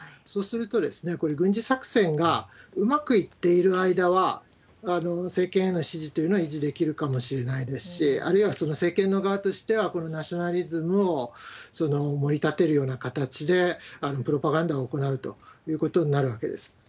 そうすると、軍事作戦がうまくいっている間は、政権への支持というのは維持できるかもしれないですし、あるいはその政権の側としては、このナショナリズムをもり立てるような形でプロパガンダを行うということになるわけです。